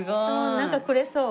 なんかくれそう？